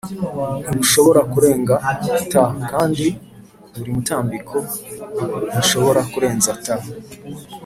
ntibushobora kurenga T kandi buri mutambiko ntishobora kurenza ,T